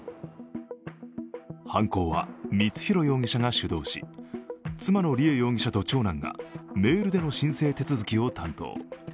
犯行は光弘容疑者が主導し、妻の梨恵容疑者と長男がメールでの申請手続きを担当。